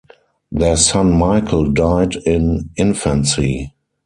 Their son Michael died in infancy.